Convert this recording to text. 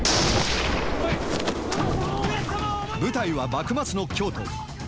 舞台は幕末の京都。